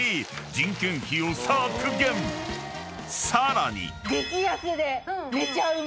［さらに］